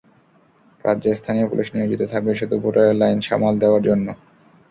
রাজ্যের স্থানীয় পুলিশ নিয়োজিত থাকবে শুধু ভোটারের লাইন সামাল দেওয়ার জন্য।